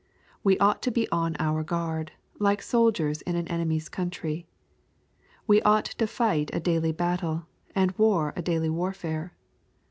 We ought to be on our guard, like soldiers in an enemy's country. We ought to fight a daily battle, and war a daily warfare.